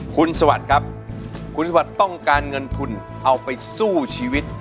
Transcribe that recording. คุณสวัสดิ์ครับคุณสวัสดิ์ต้องการเงินทุนเอาไปสู้ชีวิต